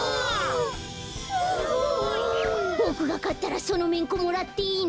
すごい！ボクがかったらそのめんこもらっていいの？